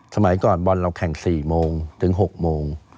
สมัยก่อนบอลเราแข่ง๔โมงถึง๖โมง